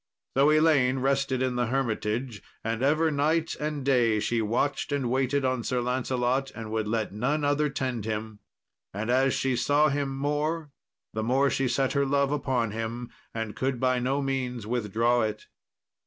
So Elaine rested in the hermitage, and ever night and day she watched and waited on Sir Lancelot, and would let none other tend him. And as she saw him more, the more she set her love upon him, and could by no means withdraw it.